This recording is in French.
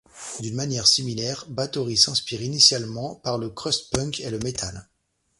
D'une manière similaire, Bathory s'inspire initialement par le crust punk et le metal.